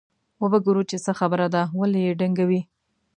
وبه ګورو چې څه خبره ده ولې یې ډنګوي.